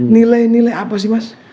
nilai nilai apa sih mas